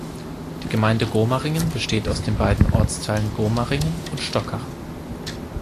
Die Gemeinde Gomaringen besteht aus den beiden Ortsteilen Gomaringen und Stockach.